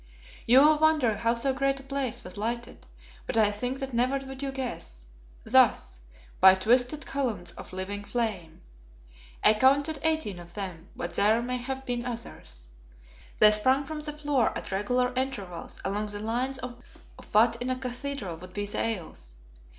You will wonder how so great a place was lighted, but I think that never would you guess. Thus by twisted columns of living flame! I counted eighteen of them, but there may have been others. They sprang from the floor at regular intervals along the lines of what in a cathedral would be the aisles.